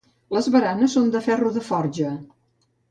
Les baranes són de ferro de forja.